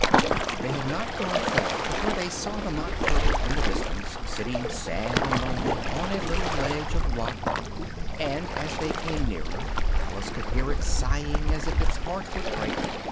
They had not gone far before they saw the Mock Turtle in the distance, sitting sad and lonely on a little ledge of rock, and, as they came nearer, Alice could here it sighing as if its heart would break.